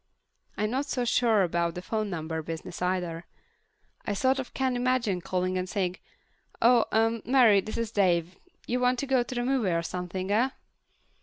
I'm not so sure about the phone number business either. I sort of can't imagine calling up and saying, "Oh, uh, Mary, this is Dave. You want to go to a movie or something, huh?"